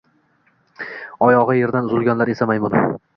Oyogʻi yerdan uzilganlar esa maymun.